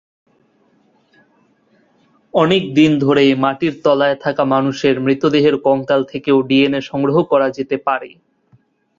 অনেকদিন ধরে মাটির তলায় থাকা মানুষের মৃতদেহের কঙ্কাল থেকেও ডিএনএ সংগ্রহ করা যেতে পারে।